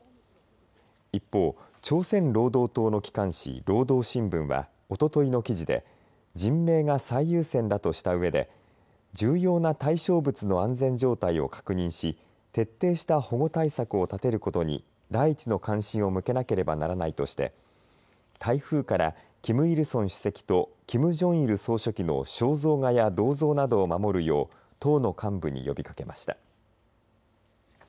一方、朝鮮労働党の機関紙労働新聞は、おとといの記事で人命が最優先だとしたうえで重要な対象物の安全状態を確認し徹底した保護対策を立てることに第一の関心を向けなければならないとして台風からキム・イルソン主席とキム・ジョンイル総書記の肖像画や銅像などを守るよう党の幹部に呼びかけました。